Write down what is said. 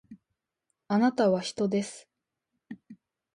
あなたは人です